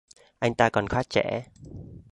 Anh ta còn khá trẻ